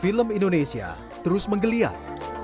film indonesia terus menggeliat